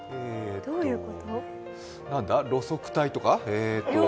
路側帯とか？